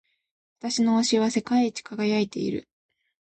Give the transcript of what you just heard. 私の押しは世界一輝いている。